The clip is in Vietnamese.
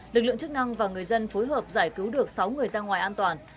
lực lượng chức năng và người dân phối hợp giải cứu được sáu người ra ngoài an toàn